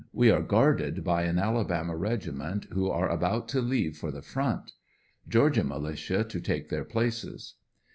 We are guarded by an Alabama reg iment, who are about to leave for the front. Georgia militia to take their places.